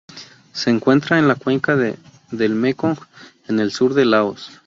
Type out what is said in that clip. Se encuentra en la cuenca del Mekong en el sur de Laos.